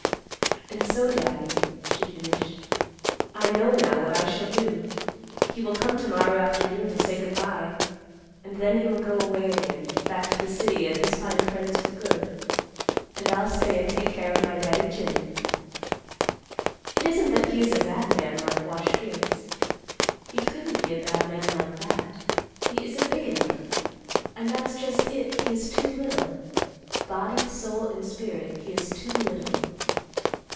"And so, Daddy," she finished; "I know now what I shall do. He will come to morrow afternoon to say good by, and then he will go away again back to the city and his fine friends for good. And I'll stay and take care of my Daddy Jim. It isn't that he is a bad man like Wash Gibbs. He couldn't be a bad man like that; he isn't big enough. And that's just it. He is too little—body, soul and spirit—he is too little.